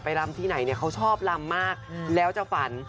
รำที่ไหนเนี่ยเขาชอบลำมากแล้วจะฝัน